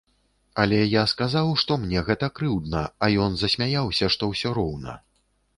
Але я сказаў, што мне гэта крыўдна, а ён засмяяўся, што ўсё роўна.